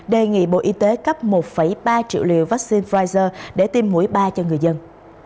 đề nghị bộ y tế cấp một ba triệu liều vaccine pfizer để tiêm mũi ba cho người dân